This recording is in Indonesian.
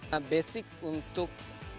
nah basic untuk